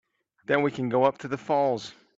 Then we can go up to the falls.